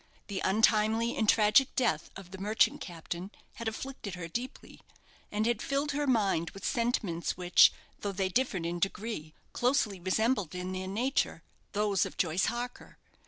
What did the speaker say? The untimely and tragic death of the merchant captain had afflicted her deeply, and had filled her mind with sentiments which, though they differed in degree, closely resembled in their nature those of Joyce Harker.